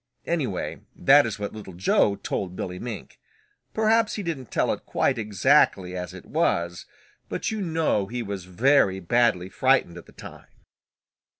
Anyway, that is what Little Joe told Billy Mink. Perhaps he didn't tell it quite exactly as it was, but you know he was very badly frightened at the time.